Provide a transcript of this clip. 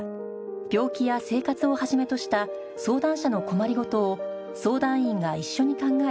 病気や生活を始めとした相談者の困り事を相談員が一緒に考え